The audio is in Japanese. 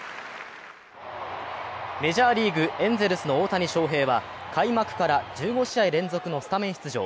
メジャーリーグ、エンゼルスの大谷翔平は開幕から１５試合連続のスタメン出場。